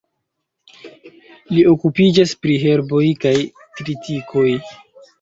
Li okupiĝas pri herboj kaj tritikoj.